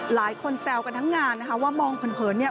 หลายคนแซวกันทั้งงานว่ามองเผินนี่